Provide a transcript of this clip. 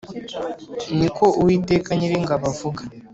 ni ko Uwiteka Nyiringabo avuga